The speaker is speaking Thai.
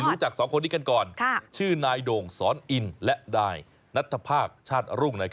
รู้จักสองคนนี้กันก่อนชื่อนายโด่งสอนอินและนายนัทภาคชาติรุ่ง